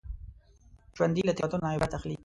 ژوندي له تېروتنو نه عبرت اخلي